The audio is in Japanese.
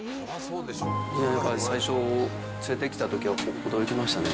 やっぱり最初、連れてきたときは驚きましたね。